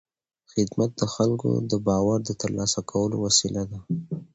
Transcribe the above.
خدمت د خلکو د باور د ترلاسه کولو وسیله ده.